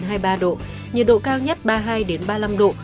nhiệt độ cao nhất ba mươi hai ba mươi năm độ